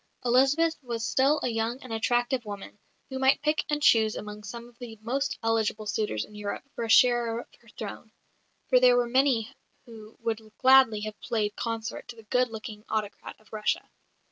Elizabeth was still a young and attractive woman, who might pick and choose among some of the most eligible suitors in Europe for a sharer of her throne; for there were many who would gladly have played consort to the good looking autocrat of Russia.